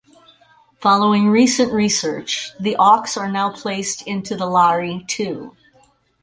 Following recent research, the auks are now placed into the Lari too.